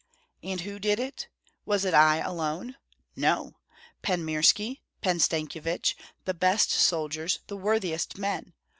And who did it? Was it I alone? No! Pan Mirski, Pan Stankyevich, the best soldiers, the worthiest men.